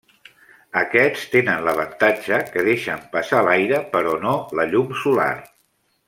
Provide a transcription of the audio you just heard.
Aquests tenen l'avantatge que deixen passar l'aire però no la llum solar.